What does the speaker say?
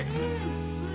うん！